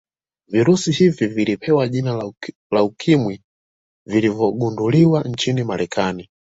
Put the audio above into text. Virusi hivi vilipewa jina la ukimwi vilipogunduliwa nchini marekani